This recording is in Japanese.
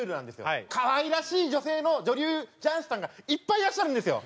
可愛らしい女性の女流雀士さんがいっぱいいらっしゃるんですよ！